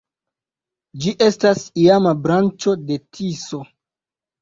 Ĝi estas iama branĉo de Tiso.